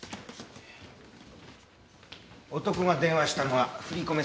男が電話したのは振り込め